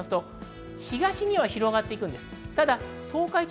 東には広がっていきます。